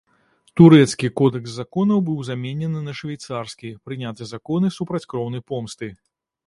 Турэцкі кодэкс законаў быў заменены на швейцарскі, прыняты законы супраць кроўнай помсты.